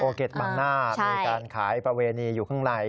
โอเกติบางหน้าในการค้ายประเวณีอยู่ขึ้นลัย